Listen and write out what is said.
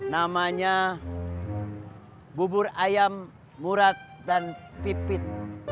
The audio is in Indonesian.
namanya bubur ayam murat dan pipit